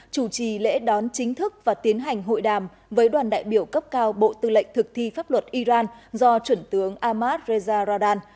chủ trì lễ đón chính thức và tiến hành hội đàm với đoàn đại biểu cấp cao bộ tư lệnh thực thi pháp luật iran do chuẩn tướng amad reza radan